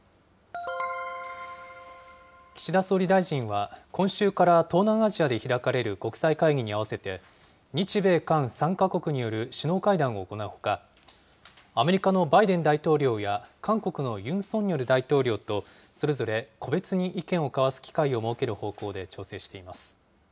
岸田総理大臣は、今週から東南アジアで開かれる国際会議に合わせて、日米韓３か国による首脳会談を行うほか、アメリカのバイデン大統領や韓国のユン・ソンニョル大統領と、それぞれ個別に意見を交わす機会を設ける方向で調整しています。